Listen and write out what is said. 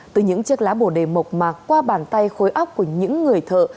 từ những chiếc lá bồ đề mộc mạc qua bàn tay khối óc của những người thợ